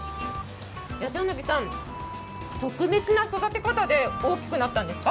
八柳さん、特別な育て方で大きくなったんですか？